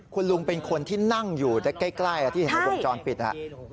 คุณลุงเป็นคนที่นั่งอยู่ใกล้ที่ห้องจรปิดอ่ะ